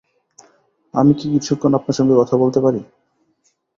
আমি কি কিছুক্ষণ আপনার সঙ্গে কথা বলতে পারি?